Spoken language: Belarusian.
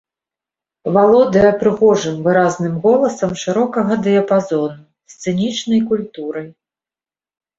Валодае прыгожым выразным голасам шырокага дыяпазону, сцэнічнай культурай.